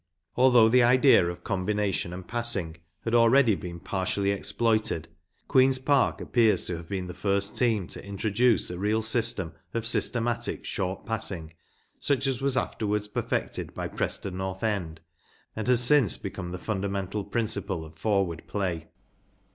Although the idea of combination and passing had already been partially exploited, Queen’s Park appears to have been the first team to introduce a real system of systematic short passing such as was afterwards per¬ fected by Preston North End, and has since become the fundamental principle of forward play.